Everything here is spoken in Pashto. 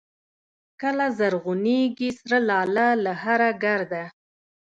کله زرغونېږي سره لاله له هره ګرده